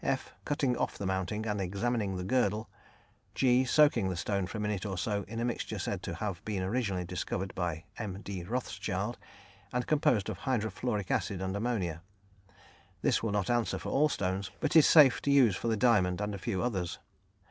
(f) cutting off the mounting, and examining the girdle; (g) soaking the stone for a minute or so in a mixture said to have been originally discovered by M. D. Rothschild, and composed of hydrofluoric acid and ammonia; this will not answer for all stones, but is safe to use for the diamond and a few others.